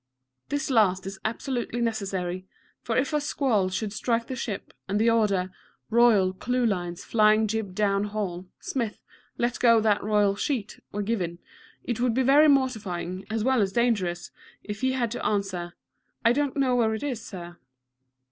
This last is absolutely necessary, for if a squall should strike the ship, and the order, "Royal clew lines, flying jib down haul Smith, let go that royal sheet" were given, it would be very mortifying, as well as dangerous, if he had to answer, "I don't know where it is, Sir."